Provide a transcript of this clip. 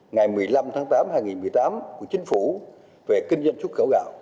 ngày một mươi năm tháng tám hai nghìn một mươi tám của chính phủ về kinh doanh xuất khẩu gạo